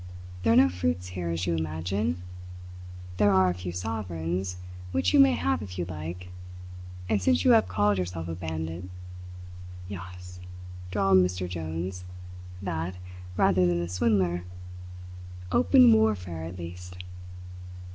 There are no fruits here, as you imagine. There are a few sovereigns, which you may have if you like; and since you have called yourself a bandit " "Yaas!" drawled Mr. Jones. "That, rather than a swindler. Open warfare at least!"